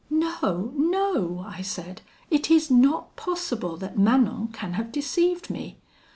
'No, no!' I said, 'it is not possible that Manon can have deceived me.